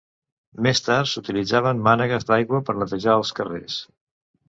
Més tard, s'utilitzaven mànegues d'aigua per a netejar els carrers.